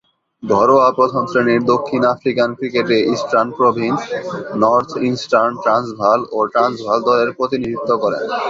ঘরোয়া প্রথম-শ্রেণীর দক্ষিণ আফ্রিকান ক্রিকেটে Eastern Province, North Eastern Transvaal ও ট্রান্সভাল দলের প্রতিনিধিত্ব করেন।